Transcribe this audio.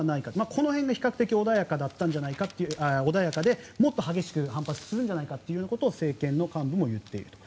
この辺が比較的穏やかでもっと激しく反発するんじゃないかということを政権の幹部も言っていると。